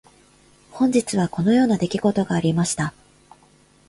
本日はこのような出来事がありました。